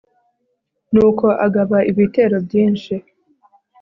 nuko agaba ibitero byinshi